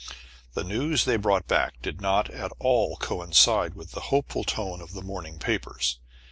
The news they brought back did not at all coincide with the hopeful tone of the morning papers.